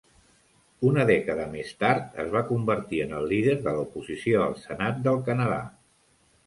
Una dècada més tard es va convertir en el líder de la oposició al senat del Canadà.